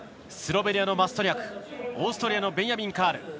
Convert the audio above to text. スロベニアのマストニャクオーストリアのベンヤミン・カール。